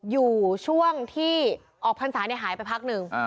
อยู่ช่วงที่ออกพรรษาหายไปพักหนึ่ง